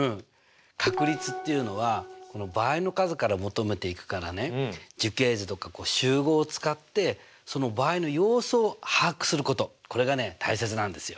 確率っていうのは場合の数から求めていくからね樹形図とか集合を使ってその場合の様子を把握することこれがね大切なんですよ。